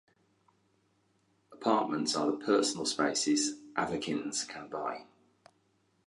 Apartments are the personal spaces Avakins can buy.